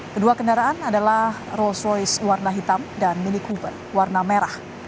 kedua kendaraan adalah rolls royce warna hitam dan mini cooper warna merah